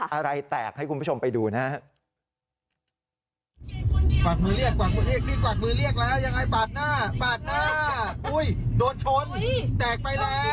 อะไรแตกให้คุณผู้ชมไปดูนะฮะ